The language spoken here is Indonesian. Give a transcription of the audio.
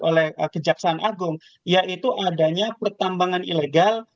oleh kejaksaan agung yaitu adanya pertambangan ilegal